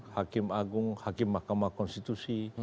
hakim agung hakim mahkamah konstitusi